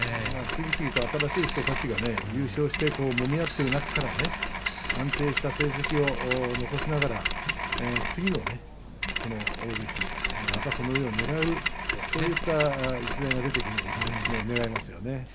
次々と新しい人たちが優勝して、もみ合っていく中安定した成績を残しながら次の大関、またその上をねらうそういった逸材が出てくるのを願いますよね。